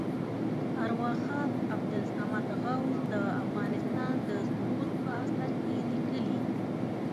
ارواښاد عبدالصمد غوث د افغانستان د سقوط په اثر کې لیکلي.